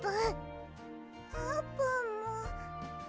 あーぷんも。